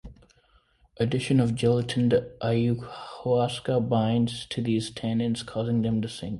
Addition of gelatin to ayahuasca binds to these tannins, causing them to sink.